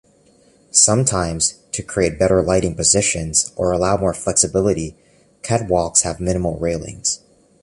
Sometimes, to create better lighting positions or allow more flexibility, catwalks have minimal railings.